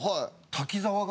滝沢が。